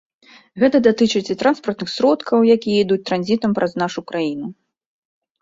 Гэта датычыць і транспартных сродкаў, якія ідуць транзітам праз нашу краіну.